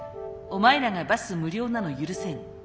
「お前らがバス無料なの許せん」。